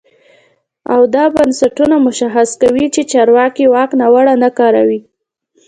او دا بنسټونه مشخص کوي چې چارواکي واک ناوړه نه کاروي.